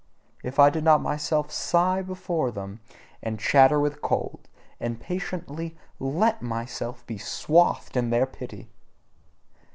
If I did not myself sigh before them, and chatter with cold, and patiently LET myself be swathed in their pity!